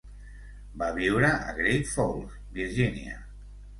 Va viure a Great Falls, Virgínia.